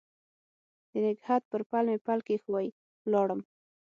د نګهت پر پل مې پل کښېښوی ولاړم